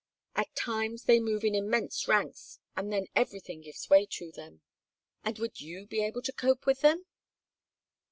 At times they move in immense ranks and then everything gives way to them." "And would you be able to cope with them?"